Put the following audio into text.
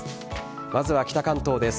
まずは北関東です。